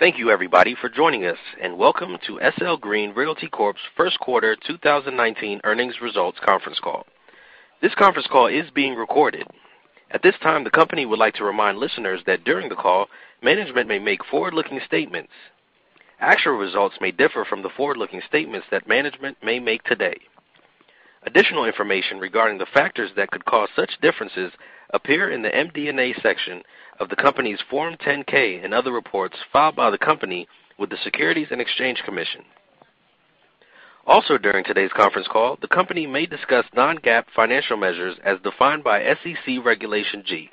Thank you, everybody for joining us, welcome to SL Green Realty Corp's first quarter 2019 earnings results conference call. This conference call is being recorded. At this time, the company would like to remind listeners that during the call, management may make forward-looking statements. Actual results may differ from the forward-looking statements that management may make today. Additional information regarding the factors that could cause such differences appear in the MD&A section of the company's Form 10-K and other reports filed by the company with the Securities and Exchange Commission. Also during today's conference call, the company may discuss non-GAAP financial measures as defined by SEC Regulation G.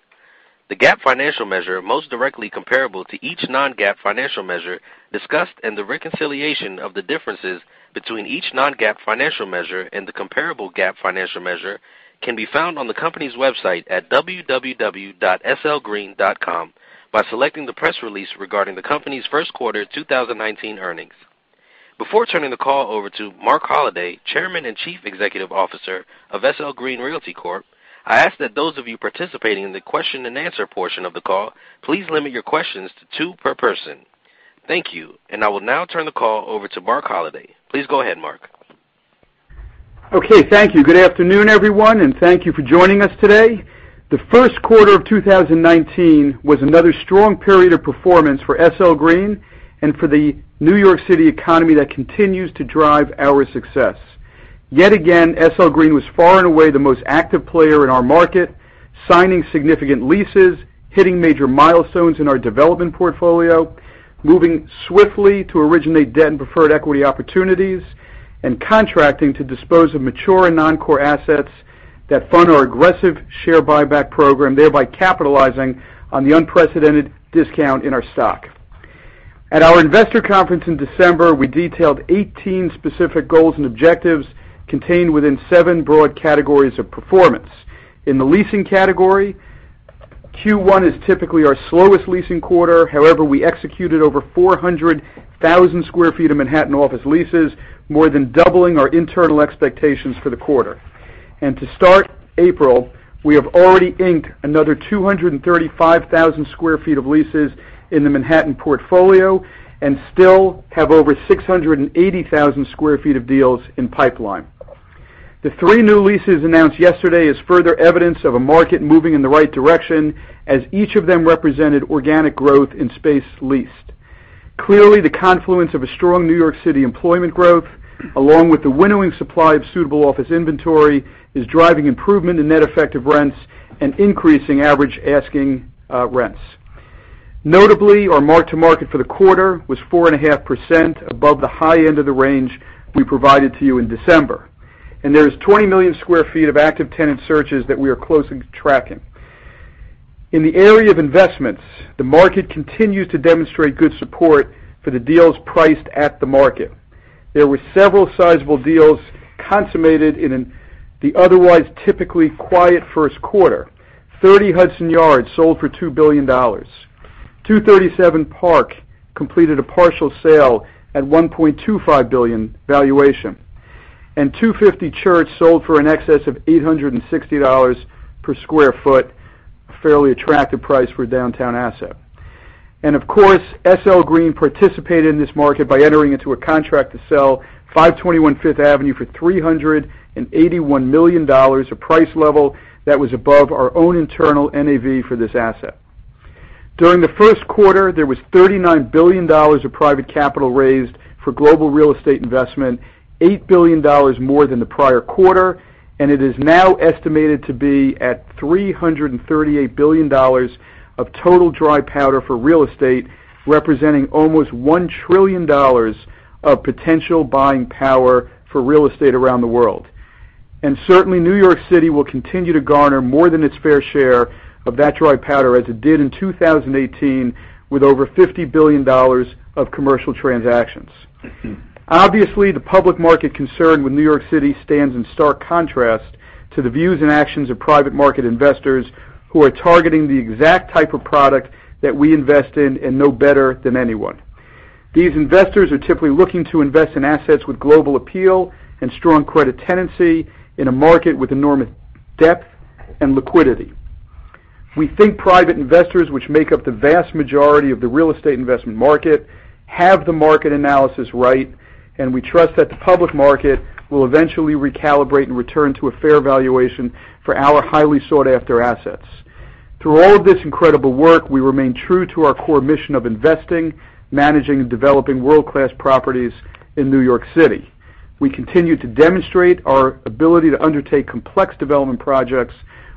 The GAAP financial measure most directly comparable to each non-GAAP financial measure discussed and the reconciliation of the differences between each non-GAAP financial measure and the comparable GAAP financial measure can be found on the company's website at www.slgreen.com by selecting the press release regarding the company's first quarter 2019 earnings. Before turning the call over to Marc Holliday, Chairman and Chief Executive Officer of SL Green Realty Corp, I ask that those of you participating in the question and answer portion of the call, please limit your questions to two per person. Thank you, and I will now turn the call over to Marc Holliday. Please go ahead, Marc. Okay. Thank you. Good afternoon, everyone, and thank you for joining us today. The first quarter of 2019 was another strong period of performance for SL Green and for the New York City economy that continues to drive our success. Yet again, SL Green was far and away the most active player in our market, signing significant leases, hitting major milestones in our development portfolio, moving swiftly to originate debt and preferred equity opportunities, and contracting to dispose of mature and non-core assets that fund our aggressive share buyback program, thereby capitalizing on the unprecedented discount in our stock. At our investor conference in December, we detailed 18 specific goals and objectives contained within 7 broad categories of performance. In the leasing category, Q1 is typically our slowest leasing quarter. However, we executed over 400,000 square feet of Manhattan office leases, more than doubling our internal expectations for the quarter. To start April, we have already inked another 235,000 square feet of leases in the Manhattan portfolio and still have over 680,000 square feet of deals in pipeline. The three new leases announced yesterday is further evidence of a market moving in the right direction, as each of them represented organic growth in space leased. Clearly, the confluence of a strong New York City employment growth, along with the winnowing supply of suitable office inventory, is driving improvement in net effective rents and increasing average asking rents. Notably, our mark to market for the quarter was 4.5% above the high end of the range we provided to you in December. There's 20 million square feet of active tenant searches that we are closely tracking. In the area of investments, the market continues to demonstrate good support for the deals priced at the market. There were several sizable deals consummated in the otherwise typically quiet first quarter. 30 Hudson Yards sold for $2 billion. 237 Park completed a partial sale at $1.25 billion valuation. 250 Church sold for an excess of $860 per square foot, a fairly attractive price for a downtown asset. Of course, SL Green participated in this market by entering into a contract to sell 521 Fifth Avenue for $381 million, a price level that was above our own internal NAV for this asset. During the first quarter, there was $39 billion of private capital raised for global real estate investment, $8 billion more than the prior quarter, and it is now estimated to be at $338 billion of total dry powder for real estate, representing almost $1 trillion of potential buying power for real estate around the world. Certainly, New York City will continue to garner more than its fair share of that dry powder, as it did in 2018 with over $50 billion of commercial transactions. Obviously, the public market concern with New York City stands in stark contrast to the views and actions of private market investors who are targeting the exact type of product that we invest in and know better than anyone. These investors are typically looking to invest in assets with global appeal and strong credit tenancy in a market with enormous depth and liquidity. We think private investors, which make up the vast majority of the real estate investment market, have the market analysis right, and we trust that the public market will eventually recalibrate and return to a fair valuation for our highly sought-after assets. Through all of this incredible work, we remain true to our core mission of investing, managing, and developing world-class properties in New York City. We continue to demonstrate our ability to undertake complex development projects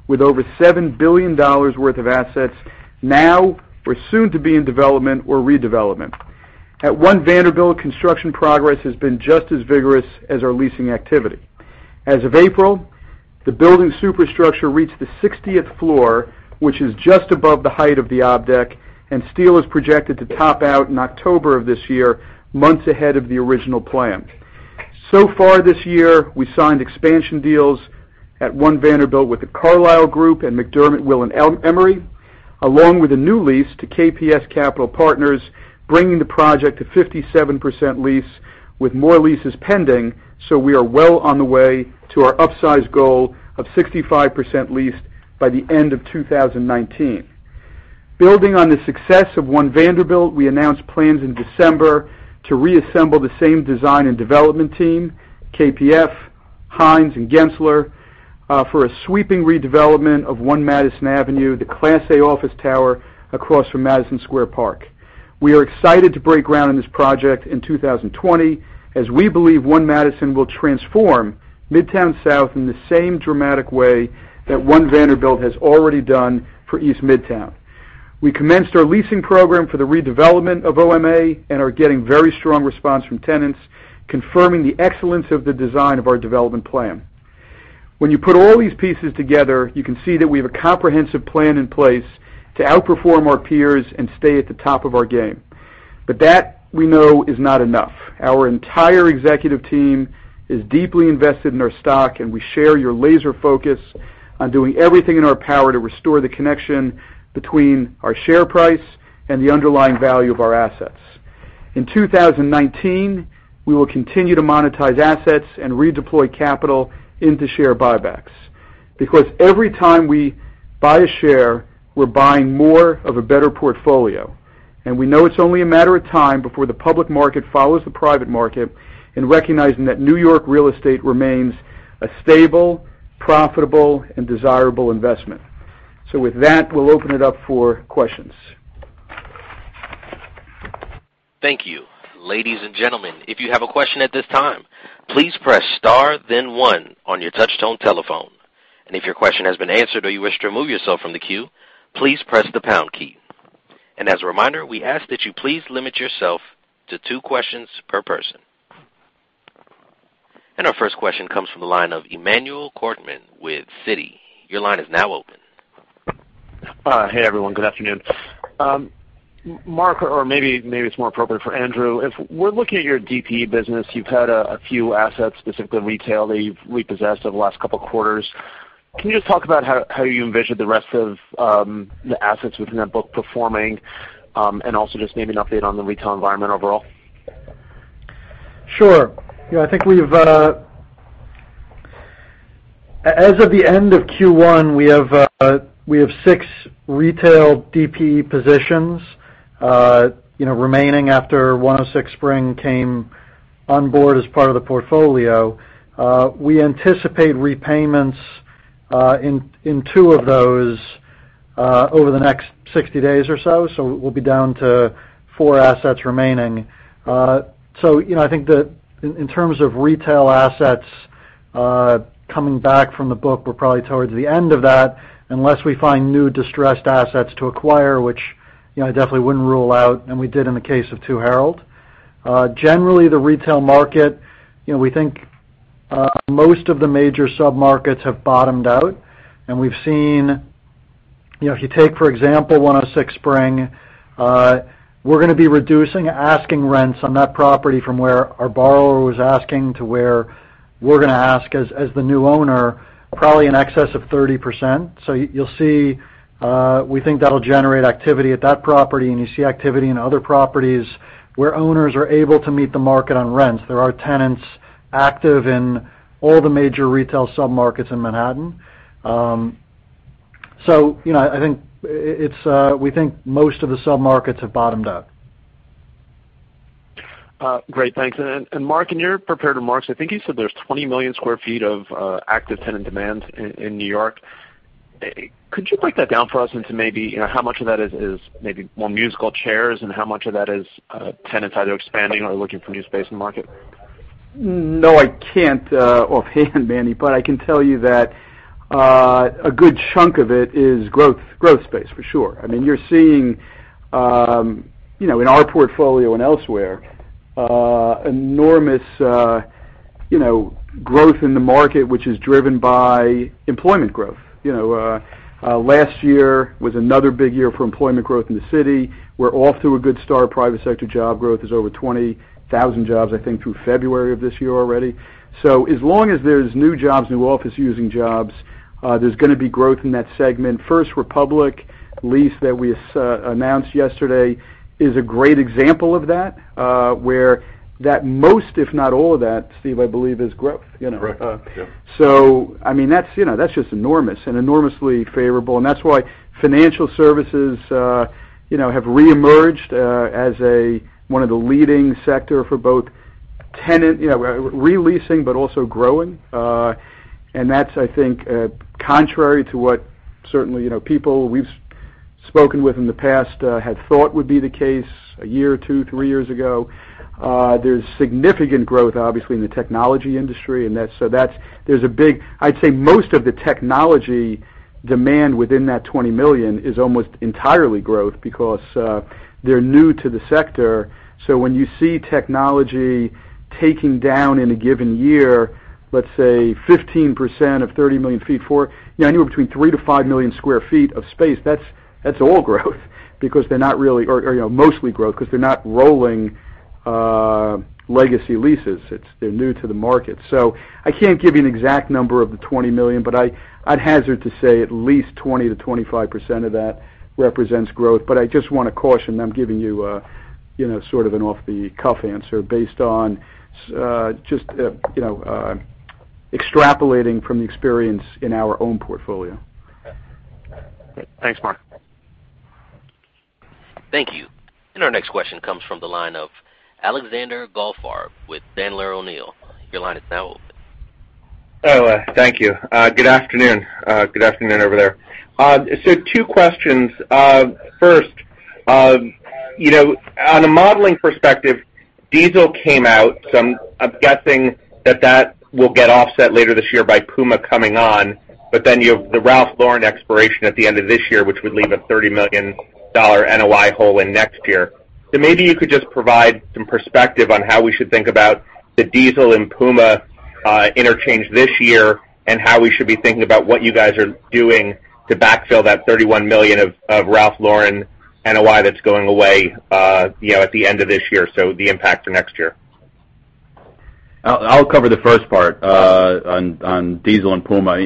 with over $7 billion worth of assets now or soon to be in development or redevelopment. At One Vanderbilt, construction progress has been just as vigorous as our leasing activity. As of April, the building superstructure reached the 60th floor, which is just above the height of the ob deck, and steel is projected to top out in October of this year, months ahead of the original plan. This year, we signed expansion deals at One Vanderbilt with The Carlyle Group and McDermott Will & Emery, along with a new lease to KPS Capital Partners, bringing the project to 57% leased. With more leases pending, we are well on the way to our upsize goal of 65% leased by the end of 2019. Building on the success of One Vanderbilt, we announced plans in December to reassemble the same design and development team, KPF, Hines, and Gensler, for a sweeping redevelopment of 1 Madison Avenue, the Class A office tower across from Madison Square Park. We are excited to break ground on this project in 2020, as we believe 1 Madison will transform Midtown South in the same dramatic way that One Vanderbilt has already done for East Midtown. We commenced our leasing program for the redevelopment of OMA and are getting very strong response from tenants, confirming the excellence of the design of our development plan. When you put all these pieces together, you can see that we have a comprehensive plan in place to outperform our peers and stay at the top of our game. That, we know, is not enough. Our entire executive team is deeply invested in our stock, and we share your laser focus on doing everything in our power to restore the connection between our share price and the underlying value of our assets. In 2019, we will continue to monetize assets and redeploy capital into share buybacks. Every time we buy a share, we're buying more of a better portfolio, and we know it's only a matter of time before the public market follows the private market in recognizing that New York real estate remains a stable, profitable, and desirable investment. With that, we'll open it up for questions. Thank you. Ladies and gentlemen, if you have a question at this time, please press star then one on your touch tone telephone. If your question has been answered or you wish to remove yourself from the queue, please press the pound key. As a reminder, we ask that you please limit yourself to two questions per person. Our first question comes from the line of Emmanuel Korchman with Citi. Your line is now open. Hey, everyone. Good afternoon. Marc, or maybe it's more appropriate for Andrew, if we're looking at your DPE business, you've had a few assets, specifically retail, that you've repossessed over the last couple of quarters. Can you just talk about how you envision the rest of the assets within that book performing, and also just maybe an update on the retail environment overall? Sure. As of the end of Q1, we have six retail DPE positions remaining after 106 Spring came on board as part of the portfolio. We anticipate repayments in two of those over the next 60 days or so we'll be down to four assets remaining. I think that in terms of retail assets coming back from the book, we're probably towards the end of that, unless we find new distressed assets to acquire, which I definitely wouldn't rule out, and we did in the case of 2 Herald. Generally, the retail market, we think most of the major sub-markets have bottomed out, and we've seen, if you take, for example, 106 Spring, we're going to be reducing asking rents on that property from where our borrower was asking to where we're going to ask as the new owner, probably in excess of 30%. You'll see, we think that'll generate activity at that property, and you see activity in other properties where owners are able to meet the market on rents. There are tenants active in all the major retail sub-markets in Manhattan. We think most of the sub-markets have bottomed out. Great, thanks. Marc, in your prepared remarks, I think you said there's 20 million square feet of active tenant demand in New York. Could you break that down for us into maybe how much of that is maybe more musical chairs and how much of that is tenants either expanding or looking for new space in the market? No, I can't offhand, Manny, but I can tell you that a good chunk of it is growth space, for sure. You're seeing, in our portfolio and elsewhere, enormous growth in the market, which is driven by employment growth. Last year was another big year for employment growth in the city. We're off to a good start. Private sector job growth is over 20,000 jobs, I think, through February of this year already. As long as there's new jobs, new office-using jobs, there's going to be growth in that segment. First Republic lease that we announced yesterday is a great example of that, where that most, if not all of that, Steve, I believe, is growth. Correct. Yeah. That's just enormous and enormously favorable. That's why financial services have reemerged as one of the leading sector for both re-leasing but also growing. That's, I think, contrary to what certainly people we've spoken with in the past had thought would be the case a year or 2, 3 years ago. There's significant growth, obviously, in the technology industry. I'd say most of the technology demand within that 20 million is almost entirely growth because they're new to the sector. When you see technology taking down in a given year, let's say 15% of 30 million feet, anywhere between 3 million-5 million square feet of space, that's all growth, or mostly growth, because they're not rolling legacy leases. They're new to the market. I can't give you an exact number of the 20 million, but I'd hazard to say at least 20%-25% of that represents growth. I just want to caution, I'm giving you sort of an off-the-cuff answer based on just extrapolating from the experience in our own portfolio. Thanks, Marc. Thank you. Our next question comes from the line of Alexander Goldfarb with Sandler O'Neill. Your line is now open. Oh, thank you. Good afternoon over there. Two questions. First, on a modeling perspective, Diesel came out, I'm guessing that that will get offset later this year by Puma coming on. You have the Ralph Lauren expiration at the end of this year, which would leave a $30 million NOI hole in next year. Maybe you could just provide some perspective on how we should think about the Diesel and Puma interchange this year, and how we should be thinking about what you guys are doing to backfill that $31 million of Ralph Lauren NOI that's going away at the end of this year, so the impact for next year. I'll cover the first part on Diesel and Puma.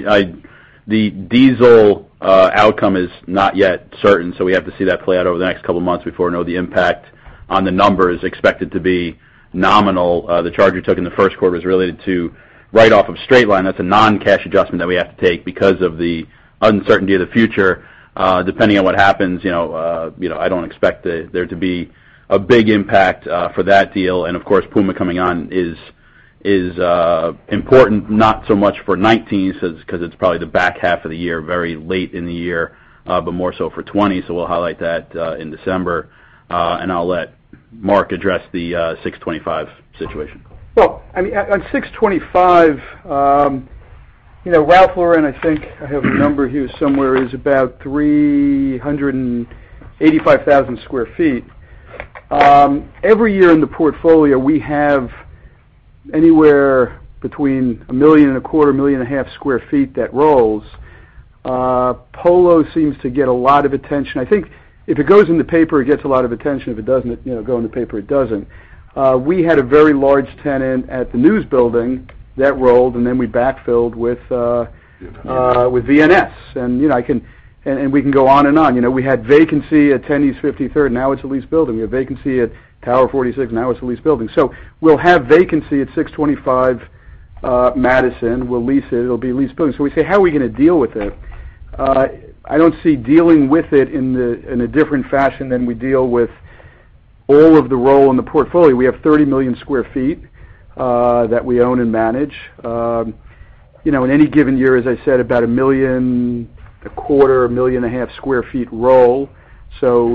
The Diesel outcome is not yet certain, so we have to see that play out over the next couple of months before we know the impact on the numbers expected to be nominal. The charge we took in the first quarter was related to write-off of straight line. That's a non-cash adjustment that we have to take because of the uncertainty of the future. Depending on what happens, I don't expect there to be a big impact for that deal. Of course, Puma coming on is important, not so much for 2019, because it's probably the back half of the year, very late in the year, but more so for 2020. We'll highlight that in December. I'll let Marc address the 625 situation. Well, on 625, Ralph Lauren, I think I have the number here somewhere, is about 385,000 sq ft. Every year in the portfolio, we have anywhere between a million and a quarter, a million and a half sq ft that rolls. Polo seems to get a lot of attention. I think if it goes in the paper, it gets a lot of attention. If it doesn't go in the paper, it doesn't. We had a very large tenant at the News Building that rolled, then we backfilled with- VNS VNS. We can go on and on. We had vacancy at 10 East 53rd, now it's a leased building. We had vacancy at Tower 46, now it's a leased building. We'll have vacancy at 625 Madison. We'll lease it. It'll be a leased building. We say, how are we going to deal with it? I don't see dealing with it in a different fashion than we deal with all of the roll in the portfolio. We have 30 million sq ft that we own and manage. In any given year, as I said, about a million, a quarter, a million and a half sq ft roll.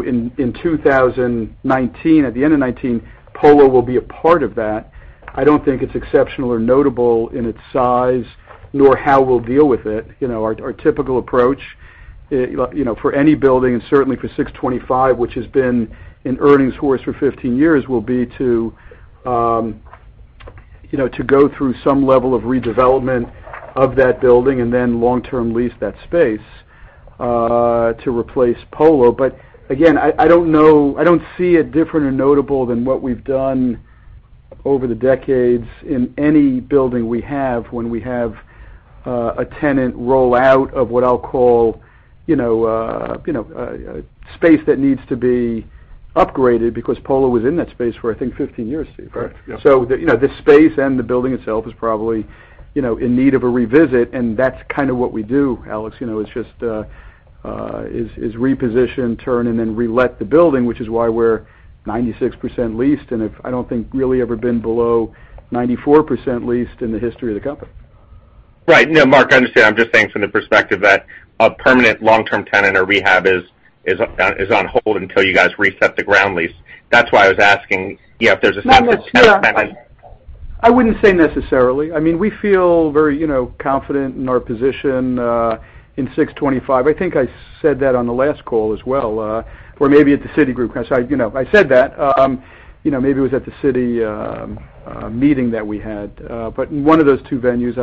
In 2019, at the end of 2019, Polo will be a part of that. I don't think it's exceptional or notable in its size, nor how we'll deal with it. Our typical approach for any building, certainly for 625, which has been an earnings horse for 15 years, will be to go through some level of redevelopment of that building and then long-term lease that space to replace Polo. Again, I don't see it different or notable than what we've done over the decades in any building we have when we have a tenant roll out of what I'll call a space that needs to be upgraded because Polo was in that space for, I think, 15 years, Steve. Correct. Yep. This space and the building itself is probably in need of a revisit, and that's kind of what we do, Alex, is reposition, turn, and then relet the building, which is why we're 96% leased, and I don't think really ever been below 94% leased in the history of the company. Right. Marc, I understand. I'm just saying from the perspective that a permanent long-term tenant or rehab is on hold until you guys reset the ground lease. That's why I was asking if there's Not necessarily. I wouldn't say necessarily. We feel very confident in our position in 625. I think I said that on the last call as well, or maybe at the Citi. I said that. Maybe it was at the Citi meeting that we had. In one of those two venues,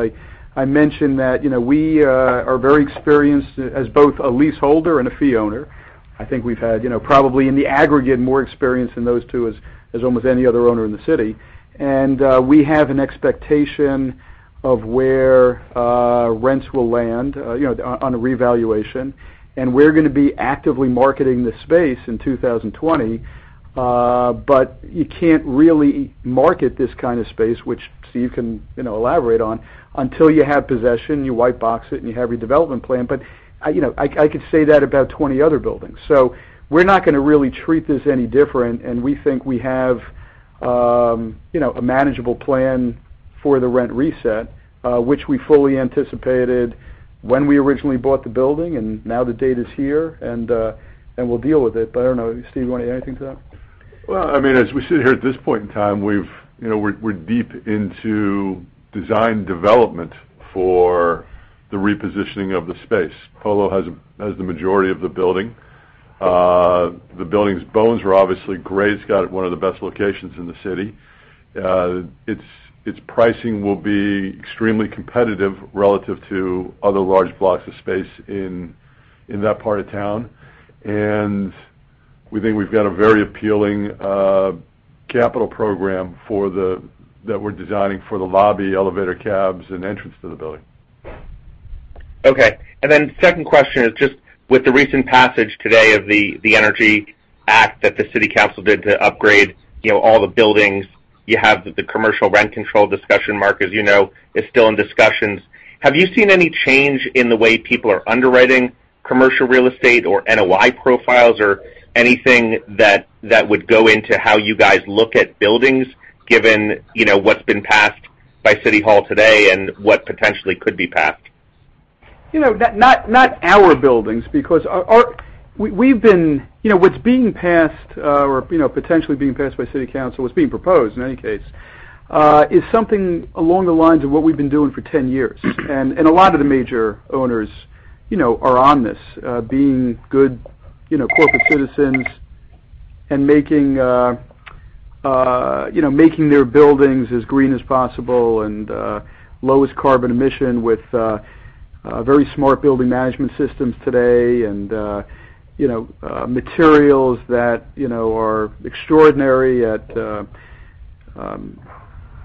I mentioned that we are very experienced as both a leaseholder and a fee owner. I think we've had, probably in the aggregate, more experience in those two as almost any other owner in the city. We have an expectation of where rents will land on a revaluation. We're going to be actively marketing this space in 2020. You can't really market this kind of space, which Steve can elaborate on, until you have possession, you white box it, and you have your development plan. I could say that about 20 other buildings. We're not going to really treat this any different, and we think we have a manageable plan for the rent reset, which we fully anticipated when we originally bought the building, and now the date is here, and we'll deal with it. I don't know, Steve, you want to add anything to that? Well, as we sit here at this point in time, we're deep into design development for the repositioning of the space. Polo has the majority of the building. The building's bones are obviously great. It's got one of the best locations in the city. Its pricing will be extremely competitive relative to other large blocks of space in that part of town. We think we've got a very appealing capital program that we're designing for the lobby, elevator cabs, and entrance to the building. Okay. Second question is just with the recent passage today of the energy act that the City Council did to upgrade all the buildings, you have the commercial rent control discussion, Marc, as you know, is still in discussions. Have you seen any change in the way people are underwriting commercial real estate or NOI profiles or anything that would go into how you guys look at buildings given what's been passed by City Hall today and what potentially could be passed? Not our buildings, because what's being passed or potentially being passed by City Council, what's being proposed in any case, is something along the lines of what we've been doing for 10 years. A lot of the major owners are on this, being good corporate citizens and making their buildings as green as possible and lowest carbon emission with very smart building management systems today and materials that are extraordinary at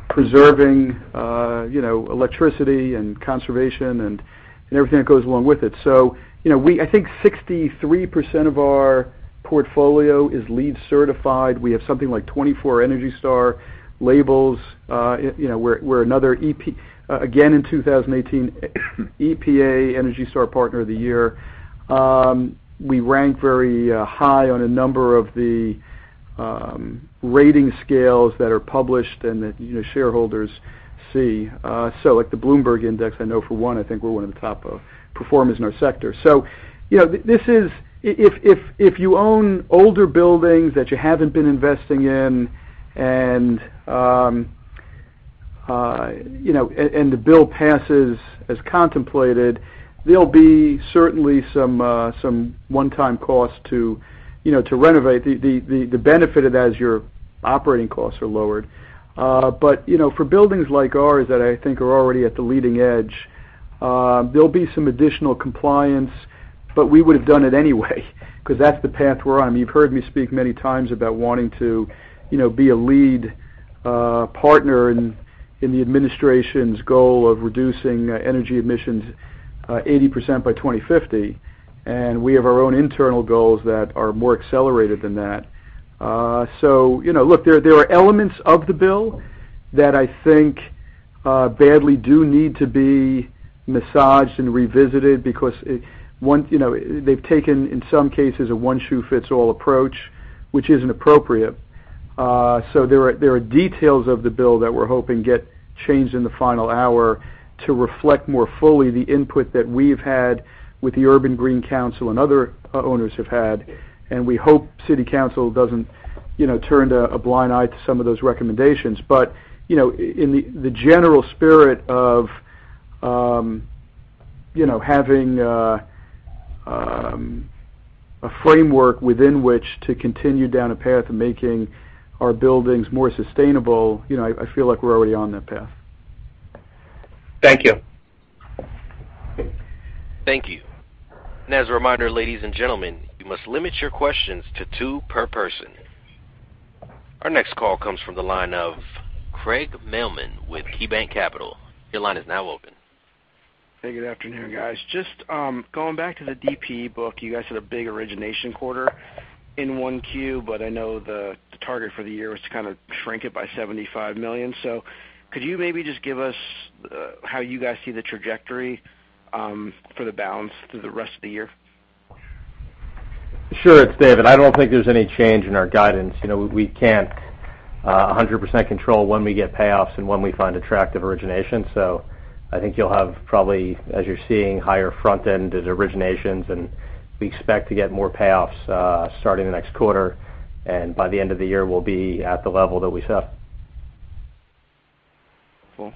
preserving electricity and conservation and everything that goes along with it. I think 63% of our portfolio is LEED certified. We have something like 24 ENERGY STAR labels. We're another, again, in 2018, EPA ENERGY STAR Partner of the Year. We rank very high on a number of the rating scales that are published and that shareholders see. Like the Bloomberg index, I know for one, I think we're one of the top performers in our sector. If you own older buildings that you haven't been investing in and the bill passes as contemplated, there'll be certainly some one-time cost to renovate, the benefit of that is your operating costs are lowered. For buildings like ours that I think are already at the leading edge, there'll be some additional compliance, but we would've done it anyway, because that's the path we're on. You've heard me speak many times about wanting to be a lead partner in the administration's goal of reducing energy emissions 80% by 2050, we have our own internal goals that are more accelerated than that. Look, there are elements of the bill that I think badly do need to be massaged and revisited because they've taken, in some cases, a one-shoe-fits-all approach, which isn't appropriate. There are details of the bill that we're hoping get changed in the final hour to reflect more fully the input that we've had with the Urban Green Council and other owners have had, we hope City Council doesn't turn a blind eye to some of those recommendations. In the general spirit of having a framework within which to continue down a path of making our buildings more sustainable, I feel like we're already on that path. Thank you. Thank you. As a reminder, ladies and gentlemen, you must limit your questions to two per person. Our next call comes from the line of Craig Mailman with KeyBanc Capital. Your line is now open. Hey, good afternoon, guys. Just going back to the DP book, you guys had a big origination quarter in 1Q, I know the target for the year was to kind of shrink it by $75 million. Could you maybe just give us how you guys see the trajectory for the balance through the rest of the year? Sure. It's David. I don't think there's any change in our guidance. We can't 100% control when we get payoffs and when we find attractive origination. I think you'll have probably, as you're seeing, higher front end as originations, and we expect to get more payoffs starting the next quarter, and by the end of the year, we'll be at the level that we set. Cool.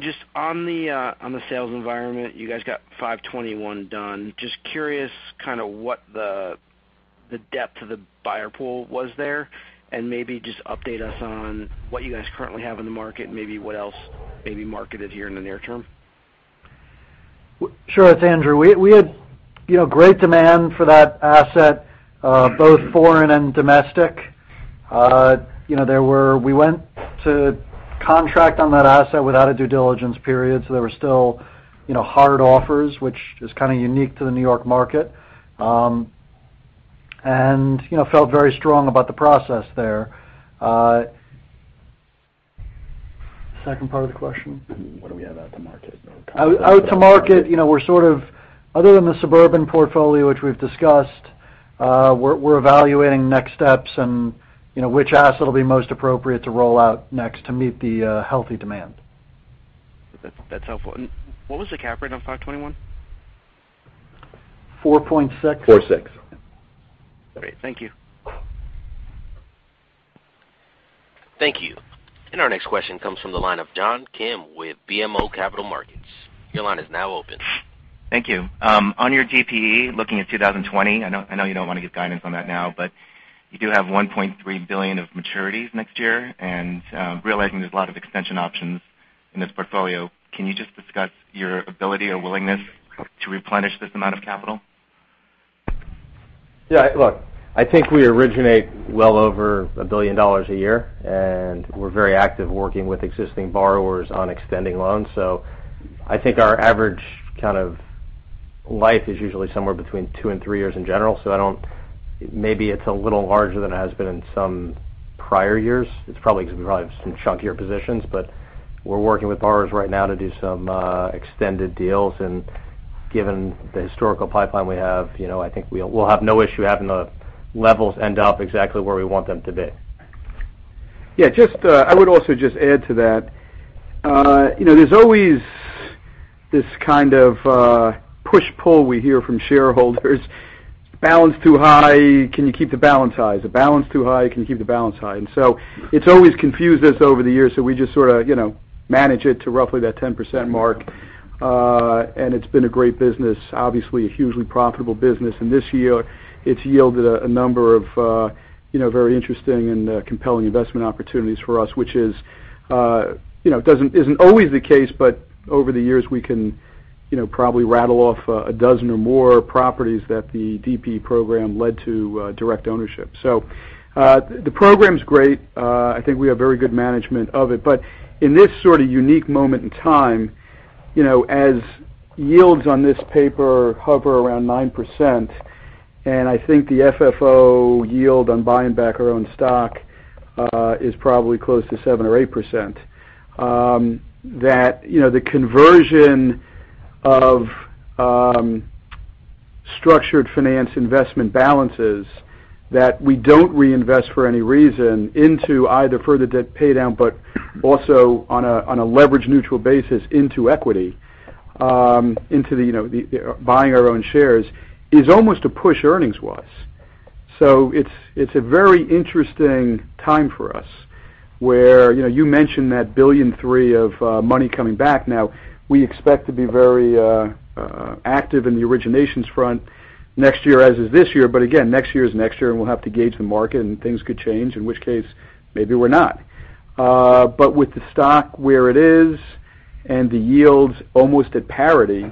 Just on the sales environment, you guys got $521 done. Just curious kind of what the depth of the buyer pool was there, and maybe just update us on what you guys currently have in the market, and maybe what else may be marketed here in the near term? Sure. It's Andrew. We had great demand for that asset, both foreign and domestic. We went to contract on that asset without a due diligence period, so there were still hard offers, which is kind of unique to the New York market, and felt very strong about the process there. Second part of the question? What do we have out to market? Out to market, other than the suburban portfolio, which we've discussed, we're evaluating next steps and which asset will be most appropriate to roll out next to meet the healthy demand. That's helpful. What was the cap rate on 521? 4.6. Four six. Great. Thank you. Thank you. Our next question comes from the line of John Kim with BMO Capital Markets. Your line is now open. Thank you. On your DPE, looking at 2020, I know you do not want to give guidance on that now. You have $1.3 billion of maturities next year, realizing there is a lot of extension options in this portfolio, can you just discuss your ability or willingness to replenish this amount of capital? Yeah. Look, I think we originate well over $1 billion a year. We are very active working with existing borrowers on extending loans. I think our average kind of life is usually somewhere between two and three years in general. Maybe it is a little larger than it has been in some prior years. It is probably because we probably have some chunkier positions. We are working with borrowers right now to do some extended deals, given the historical pipeline we have, I think we will have no issue having the levels end up exactly where we want them to be. Yeah. I would also just add to that. There is always this kind of push-pull we hear from shareholders. Balance too high, can you keep the balance high? Is the balance too high? Can you keep the balance high? It has always confused us over the years. We just sort of manage it to roughly that 10% mark. It has been a great business, obviously, a hugely profitable business. This year, it has yielded a number of very interesting and compelling investment opportunities for us, which is not always the case. Over the years, we can probably rattle off a dozen or more properties that the DP program led to direct ownership. The program is great. I think we have very good management of it. In this sort of unique moment in time, as yields on this paper hover around 9%, I think the FFO yield on buying back our own stock is probably close to 7% or 8%, that the conversion of structured finance investment balances that we do not reinvest for any reason into either further debt paydown, also on a leverage neutral basis into equity, into the buying our own shares, is almost a push earnings-wise. It is a very interesting time for us, where you mentioned that $1.3 billion of money coming back. Now, we expect to be very active in the originations front next year as is this year. Again, next year is next year. We will have to gauge the market, things could change, in which case, maybe we are not. With the stock where it is and the yields almost at parity,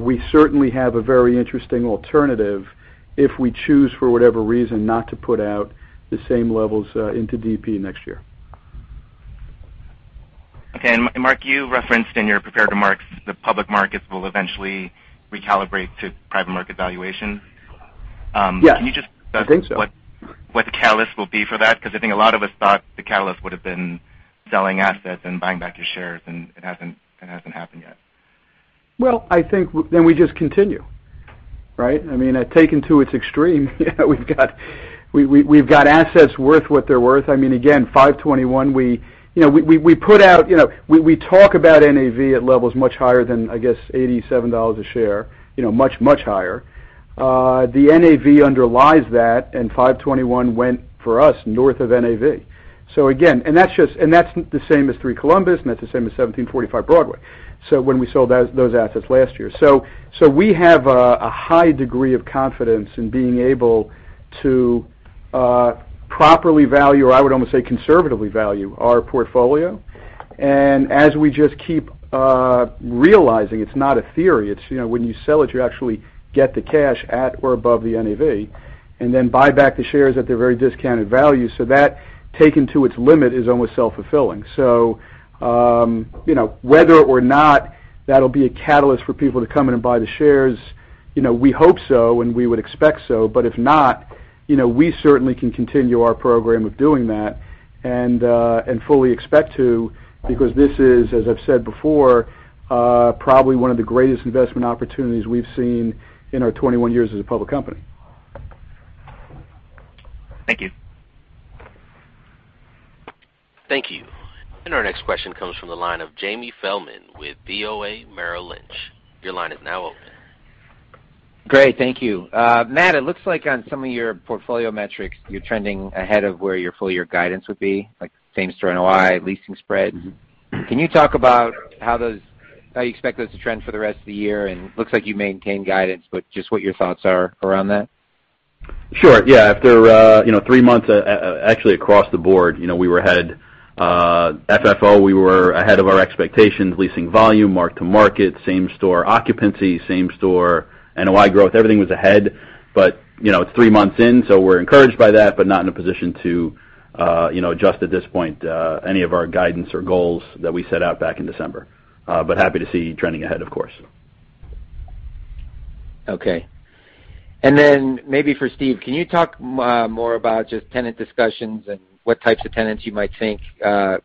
we certainly have a very interesting alternative if we choose, for whatever reason, not to put out the same levels into DP next year. Okay. Marc, you referenced in your prepared remarks the public markets will eventually recalibrate to private market valuation. Yes. I think so. Can you just discuss what the catalyst will be for that? Because I think a lot of us thought the catalyst would've been selling assets and buying back your shares, and it hasn't happened yet. Well, I think we just continue, right? I mean, taken to its extreme, we've got assets worth what they're worth. Again, 521, we talk about NAV at levels much higher than, I guess, $87 a share, much, much higher. The NAV underlies that, and 521 went, for us, north of NAV. That's the same as 3 Columbus, and that's the same as 1745 Broadway. When we sold those assets last year. We have a high degree of confidence in being able to properly value, or I would almost say conservatively value, our portfolio. As we just keep realizing, it's not a theory. When you sell it, you actually get the cash at or above the NAV, and then buy back the shares at their very discounted value. That, taken to its limit, is almost self-fulfilling. Whether or not that'll be a catalyst for people to come in and buy the shares, we hope so, and we would expect so. If not, we certainly can continue our program of doing that and fully expect to, because this is, as I've said before, probably one of the greatest investment opportunities we've seen in our 21 years as a public company. Thank you. Thank you. Our next question comes from the line of James Feldman with BofA Merrill Lynch. Your line is now open. Great. Thank you. Matt, it looks like on some of your portfolio metrics, you're trending ahead of where your full-year guidance would be, like same store NOI, leasing spread. Can you talk about how you expect those to trend for the rest of the year? Looks like you maintained guidance, just what your thoughts are around that. Sure. Yeah. After three months, actually across the board we were ahead. FFO, we were ahead of our expectations. Leasing volume, mark to market, same store occupancy, same store NOI growth. Everything was ahead. It's three months in, we're encouraged by that, but not in a position to adjust at this point any of our guidance or goals that we set out back in December. Happy to see trending ahead, of course. Okay. Then maybe for Steve, can you talk more about just tenant discussions and what types of tenants you might think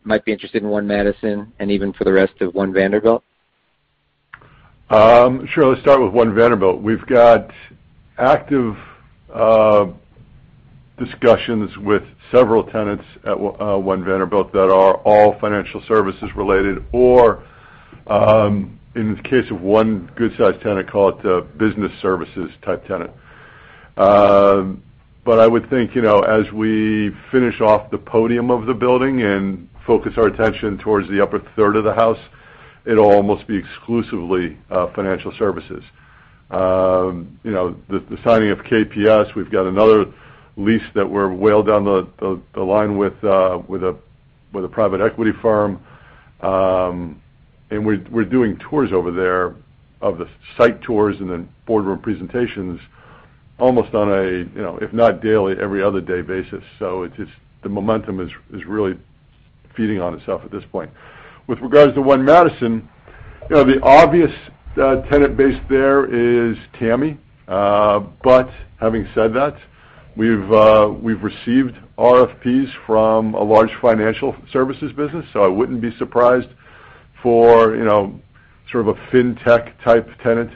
might be interested in 1 Madison and even for the rest of One Vanderbilt? Sure. Let's start with One Vanderbilt. We've got active discussions with several tenants at One Vanderbilt that are all financial services related, or, in the case of one good-sized tenant, call it a business services type tenant. I would think, as we finish off the podium of the building and focus our attention towards the upper third of the house, it'll almost be exclusively financial services. The signing of KPS, we've got another lease that we're well down the line with a private equity firm. We're doing tours over there, site tours and then boardroom presentations almost on a, if not daily, every other day basis. The momentum is really feeding on itself at this point. With regards to One Madison, the obvious tenant base there is TAMI. Having said that, we've received RFPs from a large financial services business, I wouldn't be surprised for sort of a fintech-type tenant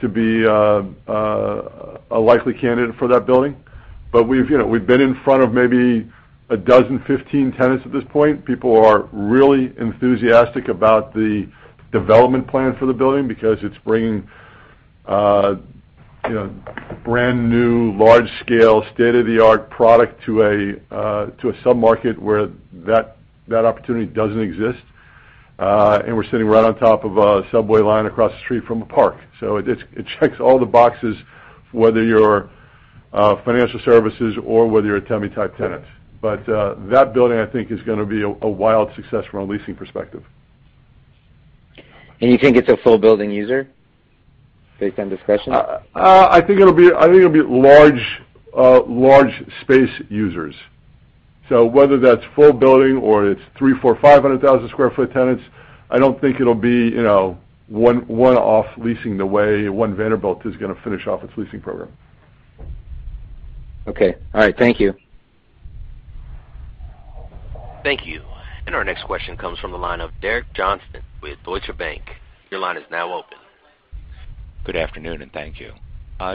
to be a likely candidate for that building. We've been in front of maybe a dozen, 15 tenants at this point. People are really enthusiastic about the development plan for the building because it's bringing brand-new, large-scale, state-of-the-art product to a sub-market where that opportunity doesn't exist. We're sitting right on top of a subway line across the street from a park. It checks all the boxes, whether you're financial services or whether you're a TAMI-type tenant. That building, I think, is going to be a wild success from a leasing perspective. You think it's a full building user, based on discussion? I think it'll be large space users. Whether that's full building or it's three, four, 500,000 square foot tenants, I don't think it'll be one-off leasing the way One Vanderbilt is going to finish off its leasing program. Okay. All right. Thank you. Thank you. Our next question comes from the line of Derek Johnston with Deutsche Bank. Your line is now open. Good afternoon, and thank you.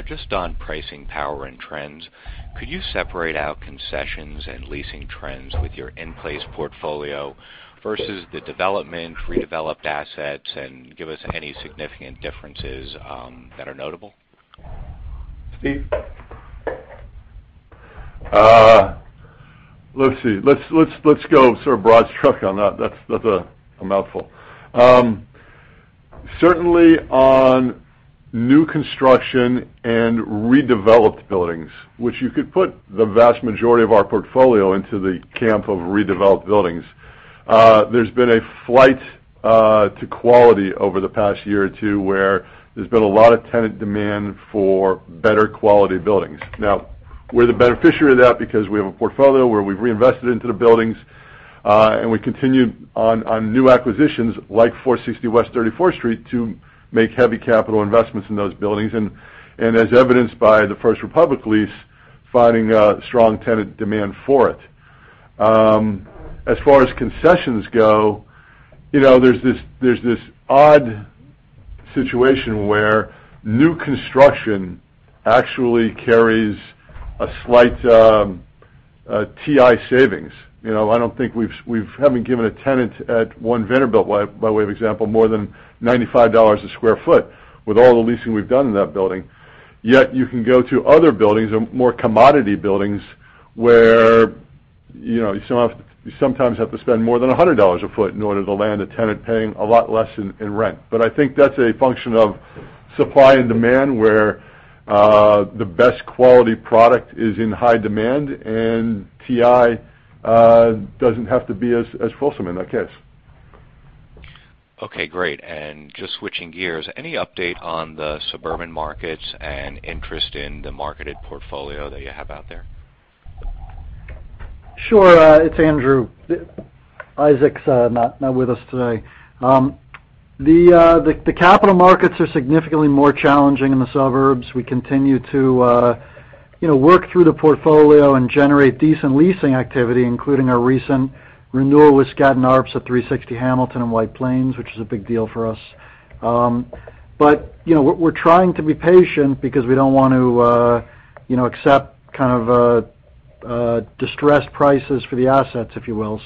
Just on pricing power and trends, could you separate out concessions and leasing trends with your in-place portfolio versus the development, redeveloped assets, and give us any significant differences that are notable? Steve? Let's see. Let's go sort of broad stroke on that. That's a mouthful. Certainly, on new construction and redeveloped buildings, which you could put the vast majority of our portfolio into the camp of redeveloped buildings, there's been a flight to quality over the past year or two where there's been a lot of tenant demand for better quality buildings. Now, we're the beneficiary of that because we have a portfolio where we've reinvested into the buildings, and we continued on new acquisitions like 460 West 34th Street to make heavy capital investments in those buildings. As evidenced by the First Republic lease, finding a strong tenant demand for it. As far as concessions go, there's this odd situation where new construction actually carries a slight TI savings. We haven't given a tenant at One Vanderbilt, by way of example, more than $95 a square foot with all the leasing we've done in that building. Yet you can go to other buildings or more commodity buildings where you sometimes have to spend more than $100 a foot in order to land a tenant paying a lot less in rent. I think that's a function of supply and demand, where the best quality product is in high demand, and TI doesn't have to be as wholesome in that case. Okay, great. Just switching gears, any update on the suburban markets and interest in the marketed portfolio that you have out there? Sure. It's Andrew. Isaac's not with us today. The capital markets are significantly more challenging in the suburbs. We continue to work through the portfolio and generate decent leasing activity, including our recent renewal with Skadden, Arps at 360 Hamilton in White Plains, which is a big deal for us. We're trying to be patient because we don't want to accept kind of distressed prices for the assets, if you will.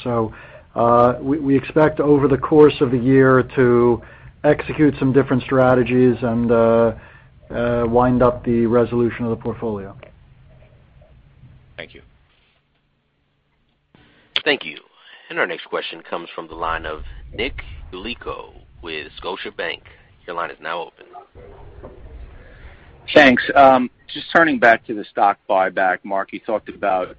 We expect over the course of the year to execute some different strategies and wind up the resolution of the portfolio. Thank you. Thank you. Our next question comes from the line of Nicholas Yulico with Scotiabank. Your line is now open. Thanks. Just turning back to the stock buyback, Marc, you talked about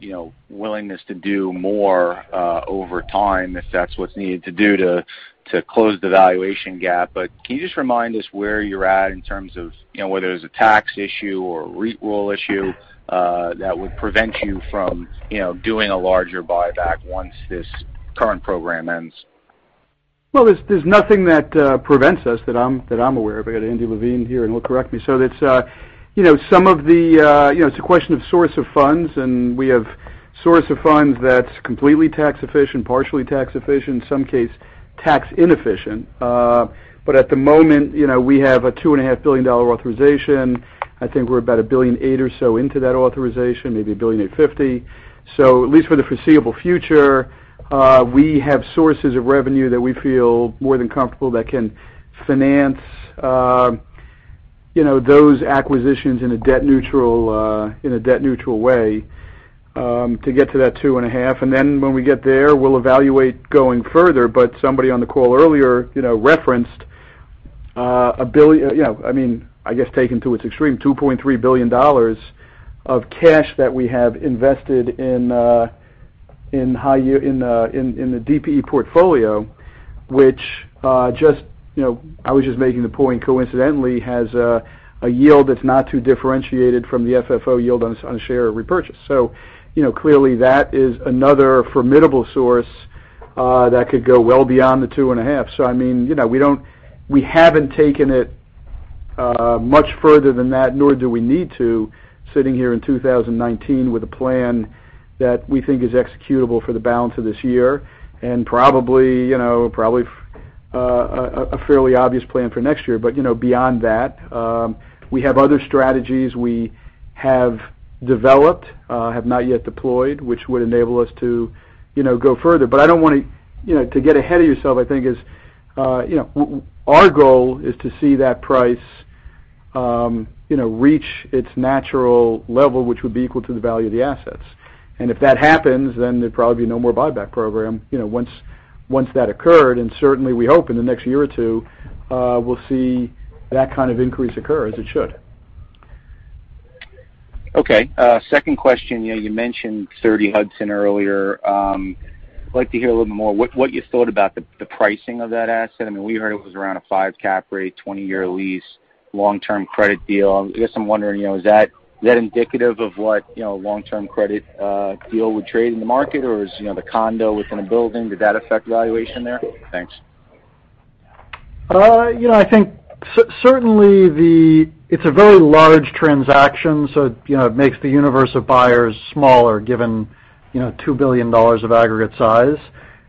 willingness to do more over time if that's what's needed to do to close the valuation gap. Can you just remind us where you're at in terms of whether there's a tax issue or REIT rule issue that would prevent you from doing a larger buyback once this current program ends? Well, there's nothing that prevents us that I'm aware of. I got Andy Levine here and will correct me. It's a question of source of funds, and we have source of funds that's completely tax efficient, partially tax efficient, in some case, tax inefficient. At the moment, we have a $2.5 billion authorization. I think we're about $1.8 billion or so into that authorization, maybe $1.850. At least for the foreseeable future, we have sources of revenue that we feel more than comfortable that can finance those acquisitions in a debt-neutral way to get to that two and a half. Then when we get there, we'll evaluate going further. Somebody on the call earlier referenced I guess taken to its extreme, $2.3 billion of cash that we have invested in the DPE portfolio, which I was just making the point, coincidentally, has a yield that's not too differentiated from the FFO yield on share repurchase. Clearly that is another formidable source that could go well beyond the two and a half. We haven't taken it much further than that, nor do we need to, sitting here in 2019 with a plan that we think is executable for the balance of this year, and probably a fairly obvious plan for next year. Beyond that, we have other strategies we have developed, have not yet deployed, which would enable us to go further. To get ahead of yourself, Our goal is to see that price reach its natural level, which would be equal to the value of the assets. If that happens, then there'd probably be no more buyback program, once that occurred. Certainly, we hope in the next year or two, we'll see that kind of increase occur, as it should. Okay. Second question. You mentioned 30 Hudson earlier. I'd like to hear a little more what you thought about the pricing of that asset. We heard it was around a five cap rate, 20-year lease, long-term credit deal. I guess I'm wondering, is that indicative of what a long-term credit deal would trade in the market, or is the condo within a building, did that affect valuation there? Thanks. I think certainly, it's a very large transaction, it makes the universe of buyers smaller, given $2 billion of aggregate size.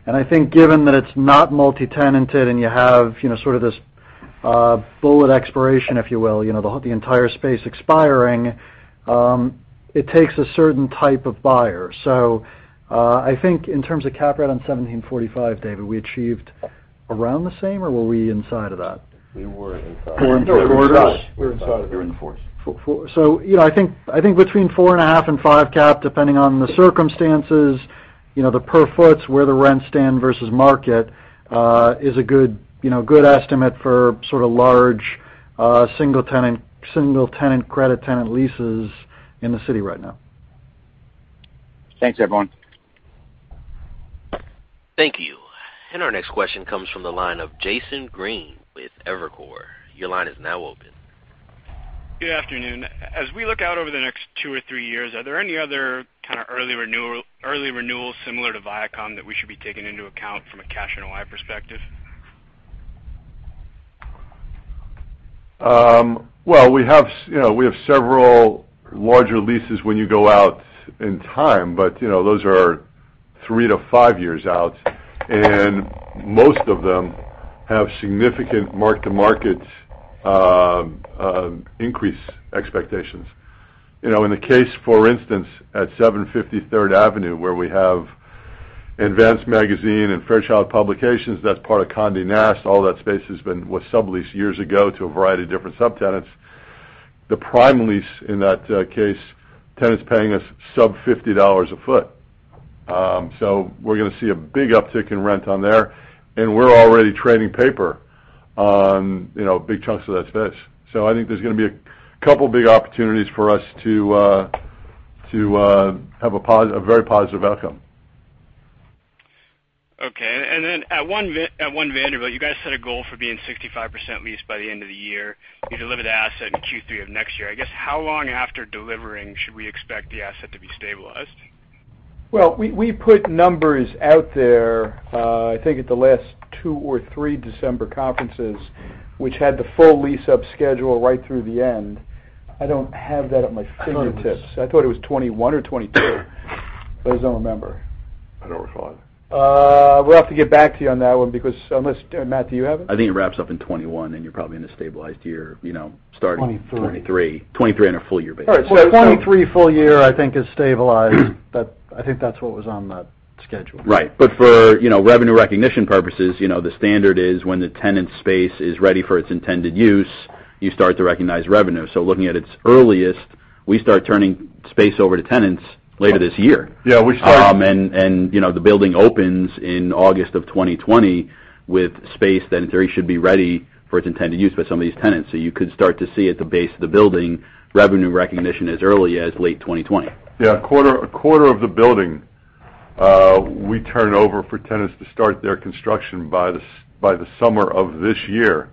I think given that it's not multi-tenanted and you have sort of this bullet expiration, if you will, the entire space expiring, it takes a certain type of buyer. I think in terms of cap rate on 1745, David, we achieved around the same, or were we inside of that? We were inside. [four and quarters]? We were inside of there. We were in the fours. I think between 4 and a half and 5 cap, depending on the circumstances, the per feet, where the rents stand versus market, is a good estimate for sort of large, single-tenant, credit-tenant leases in the city right now. Thanks, everyone. Thank you. Our next question comes from the line of Jason Green with Evercore. Your line is now open. Good afternoon. As we look out over the next two or three years, are there any other kind of early renewals similar to Viacom that we should be taking into account from a cash NOI perspective? Well, we have several larger leases when you go out in time, but those are three to five years out. Most of them have significant mark-to-market increase expectations. In the case, for instance, at 750 Third Avenue, where we have Advance Magazine and Fairchild Publications, that's part of Condé Nast. All that space was subleased years ago to a variety of different subtenants. The prime lease in that case, tenant's paying us sub $50 a foot. We're going to see a big uptick in rent on there, and we're already trading paper on big chunks of that space. I think there's going to be a couple big opportunities for us to have a very positive outcome. Okay. At One Vanderbilt, you guys set a goal for being 65% leased by the end of the year. You deliver the asset in Q3 of next year. I guess, how long after delivering should we expect the asset to be stabilized? Well, we put numbers out there, I think at the last two or three December conferences, which had the full lease-up schedule right through the end. I don't have that at my fingertips. I thought it was 2021 or 2022. I just don't remember. I don't recall it. We'll have to get back to you on that one, because unless Matt, do you have it? I think it wraps up in 2021, and you're probably in a stabilized year, starting. '23. 2023. 2023 on a full year basis. All right. 2023 full year, I think, is stabilized. I think that's what was on that schedule. Right. For revenue recognition purposes, the standard is when the tenant space is ready for its intended use, you start to recognize revenue. Looking at its earliest, we start turning space over to tenants later this year. Yeah. The building opens in August of 2020 with space that in theory should be ready for its intended use by some of these tenants. You could start to see at the base of the building, revenue recognition as early as late 2020. Yeah. A quarter of the building, we turn over for tenants to start their construction by the summer of this year.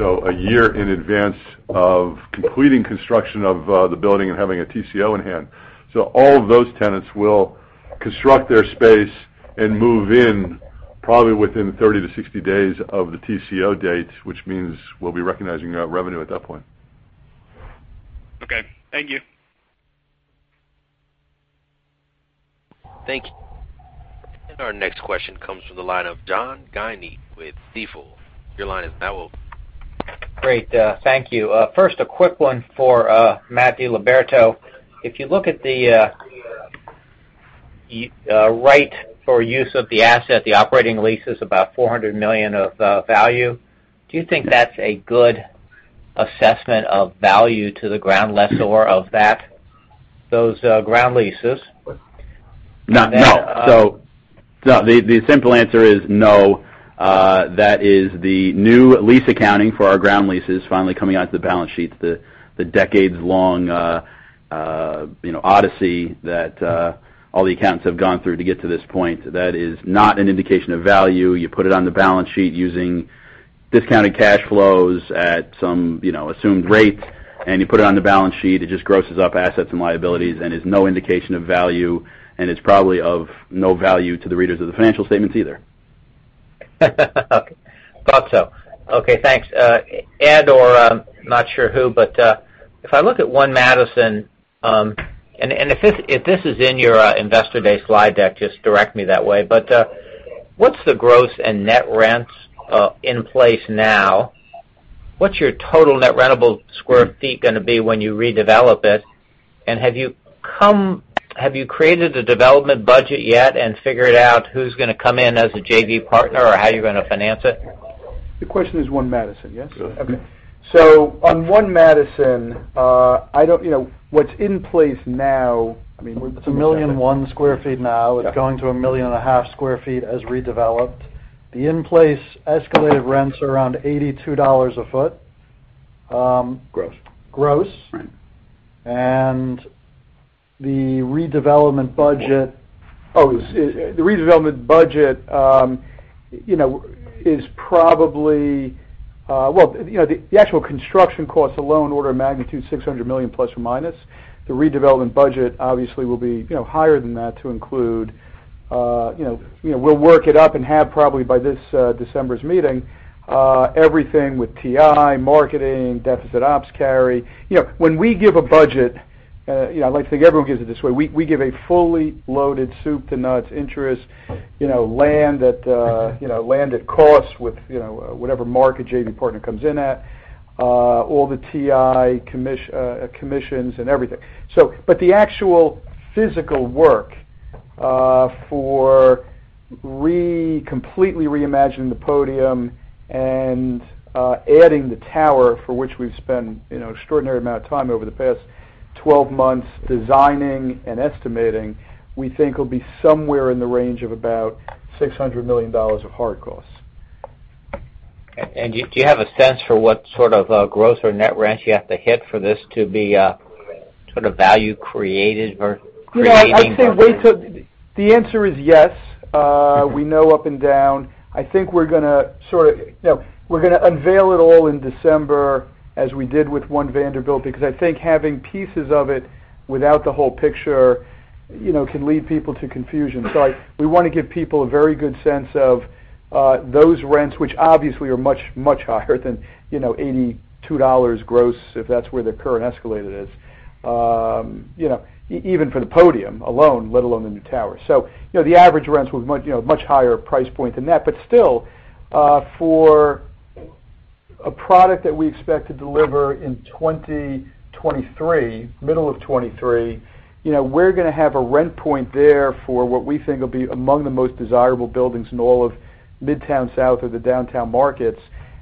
A year in advance of completing construction of the building and having a TCO in hand. All of those tenants will construct their space and move in probably within 30-60 days of the TCO date, which means we'll be recognizing revenue at that point. Okay. Thank you. Thank you. Our next question comes from the line of John Guinee with Stifel. Your line is now open. Great. Thank you. First, a quick one for Matthew DiLiberto. If you look at the right for use of the asset, the operating lease is about $400 million of value. Do you think that's a good assessment of value to the ground lessor of those ground leases? No. The simple answer is no. That is the new lease accounting for our ground leases finally coming out to the balance sheets, the decades-long odyssey that all the accountants have gone through to get to this point. That is not an indication of value. You put it on the balance sheet using discounted cash flows at some assumed rate, you put it on the balance sheet. It just grosses up assets and liabilities and is no indication of value, it's probably of no value to the readers of the financial statements either. Okay. Thought so. Okay, thanks. Ed, or I'm not sure who, but if I look at One Madison, if this is in your investor day slide deck, just direct me that way, but what's the gross and net rents in place now? What's your total net rentable square feet going to be when you redevelop it? Have you created a development budget yet and figured out who's going to come in as a JV partner or how you're going to finance it? The question is One Madison, yes? Yes. Okay. On One Madison, what's in place now, it's 1,100,000 sq ft now. It's going to 1,500,000 sq ft as redeveloped. The in-place escalated rents are around $82 a foot. Gross. Gross. Right. The redevelopment budget is probably Well, the actual construction cost alone, order of magnitude, $600 million plus or minus. The redevelopment budget obviously will be higher than that to include, we'll work it up and have probably by this December's meeting, everything with TI, marketing, deficit ops carry. When we give a budget, I like to think everyone gives it this way, we give a fully loaded soup to nuts, interest, land at cost with whatever market JV partner comes in at, all the TI commissions and everything. The actual physical work for completely reimagining the podium and adding the tower, for which we've spent extraordinary amount of time over the past 12 months designing and estimating, we think will be somewhere in the range of about $600 million of hard costs. Do you have a sense for what sort of gross or net rents you have to hit for this to be sort of value creating versus? The answer is yes. We know up and down. I think we're going to unveil it all in December as we did with One Vanderbilt, because I think having pieces of it without the whole picture can lead people to confusion. We want to give people a very good sense of those rents, which obviously are much, much higher than $82 gross, if that's where their current escalated is. Even for the podium alone, let alone the new tower. The average rents was much higher price point than that. Still, for a product that we expect to deliver in 2023, middle of 2023, we're going to have a rent point there for what we think will be among the most desirable buildings in all of Midtown South or the downtown markets,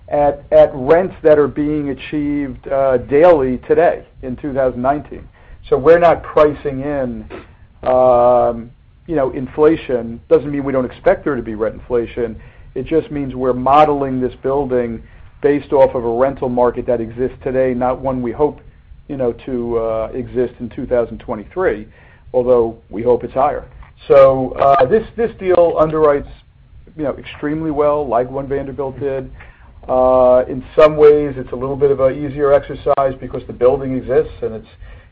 at rents that are being achieved daily today in 2019. We're not pricing in inflation. Doesn't mean we don't expect there to be rent inflation. It just means we're modeling this building based off of a rental market that exists today, not one we hope to exist in 2023, although we hope it's higher. This deal underwrites extremely well, like One Vanderbilt did. In some ways, it's a little bit of an easier exercise because the building exists, and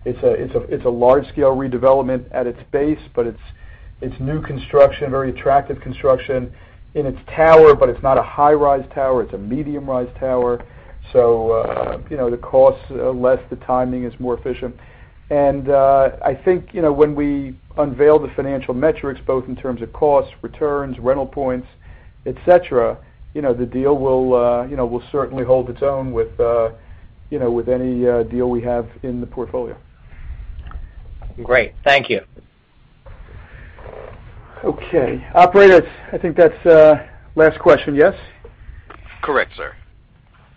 it's a large-scale redevelopment at its base, but it's new construction, very attractive construction in its tower, but it's not a high-rise tower. It's a medium-rise tower. The costs are less, the timing is more efficient. I think when we unveil the financial metrics, both in terms of cost, returns, rental points, et cetera, the deal will certainly hold its own with any deal we have in the portfolio. Great. Thank you. Operator, I think that's last question, yes? Correct, sir.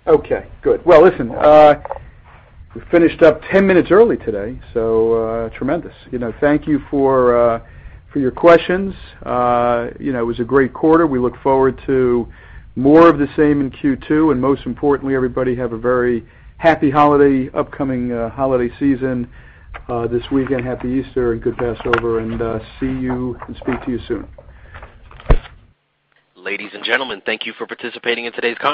Okay, good. Well, listen. We finished up 10 minutes early today, so tremendous. Thank you for your questions. It was a great quarter. We look forward to more of the same in Q2, and most importantly, everybody have a very happy holiday, upcoming holiday season this weekend. Happy Easter and good Passover, and see you and speak to you soon. Ladies and gentlemen, thank you for participating in today's call.